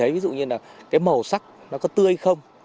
ví dụ như là cái màu sắc nó có tươi hay không